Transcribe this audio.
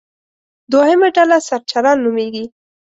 دوهمه ډله سرچران نومېږي.